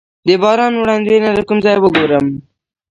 د باران وړاندوینه له کوم ځای وګورم؟